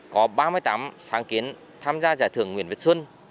có ba mươi tám sáng kiến tham gia giải thưởng nguyễn việt xuân